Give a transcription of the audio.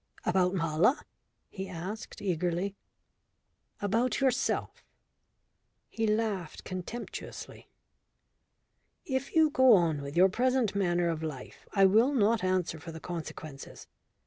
"About Mala?" he asked eagerly. "About yourself." He laughed contemptuously. "If you go on with your present manner of life I will not answer for the consequences.